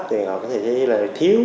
thì họ có thể thấy là thiếu